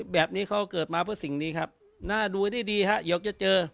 แบบนี้เขาเกิดมาเพื่อสิ่งนี้ครับหน้าดูได้ดีฮะอยากจะเจอ